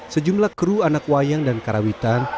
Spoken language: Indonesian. sejumlah kru anak wayang dan karawitan